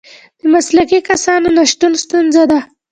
د مسلکي کسانو نشتون ستونزه ده.